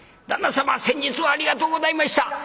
「旦那様先日はありがとうございました！